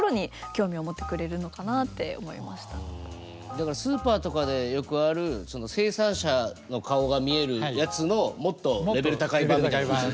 だからスーパーとかでよくある生産者の顔が見えるやつのもっとレベル高い版みたいな。